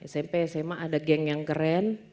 smp sma ada geng yang keren